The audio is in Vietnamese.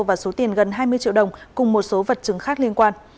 và số tiền gần hai mươi triệu đồng cùng một số vật chứng khác liên quan